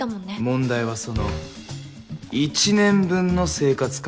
問題はその１年分の生活感